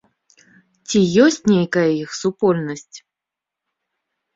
Ці ёсць нейкая іх супольнасць?